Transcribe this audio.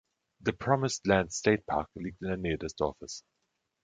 Der Promised Land State Park liegt in der Nähe des Dorfes.